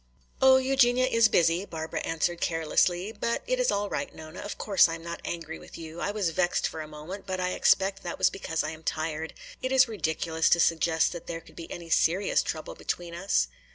"Oh, Eugenia is busy," Barbara answered carelessly. "But it is all right, Nona; of course I am not angry with you. I was vexed for a moment, but I expect that was because I am tired. It is ridiculous to suggest that there could be any serious trouble between us."